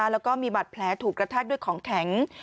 แล้วก็มีบาดแผลถูกกระแทกด้วยของแข็ง